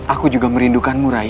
aku juga merindukanmu rai